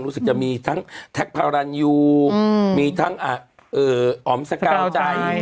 รู้สึกจะมีทั้งแท็กพารันยูมีทั้งอ๋อมสกาวใจ